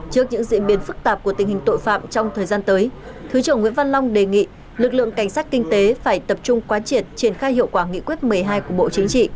trước những diễn biến phức tạp của tình hình tội phạm trong thời gian tới thứ trưởng nguyễn văn long đề nghị lực lượng cảnh sát kinh tế phải tập trung quán triệt triển khai hiệu quả nghị quyết một mươi hai của bộ chính trị